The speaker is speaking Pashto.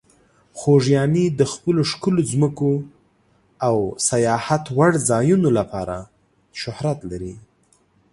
خوږیاڼي د خپلو ښکلو ځمکو او سیاحت وړ ځایونو لپاره شهرت لري.